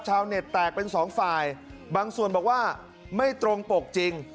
ชาวเน็ตแตกเป็นสองฝ่ายบางส่วนบอกว่าไม่ตรงปกจริง